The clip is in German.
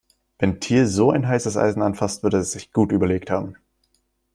Wenn Thiel so ein heißes Eisen anfasst, wird er es sich gut überlegt haben.